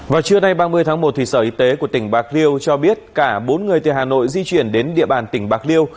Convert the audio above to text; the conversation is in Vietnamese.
vào trưa nay ba mươi tháng một sở y tế của tỉnh bạc liêu cho biết cả bốn người từ hà nội di chuyển đến địa bàn tỉnh bạc liêu